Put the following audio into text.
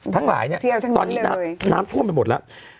ทั้งหลายเนี่ยตอนนี้น้ำท่วมไปหมดแล้ว